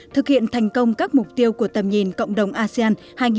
thực hiện thành công các mục tiêu của tầm nhìn cộng đồng asean hai nghìn hai mươi năm